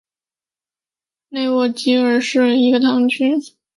内沃吉尔迪是葡萄牙波尔图区的一个堂区。